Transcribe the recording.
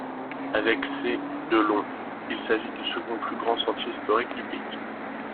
Avec ses de long, il s'agit du second plus grand sentier historique du pays.